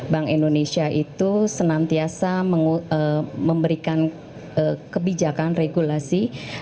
bank indonesia itu senantiasa memberikan kebijakan regulasi